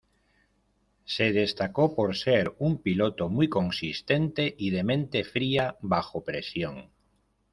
Se destacó por ser un piloto muy consistente y de mente fría bajo presión.